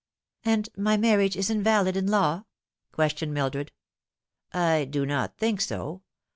"And my marriage is invalid in law ?" questioned Mildred. " I do not think so.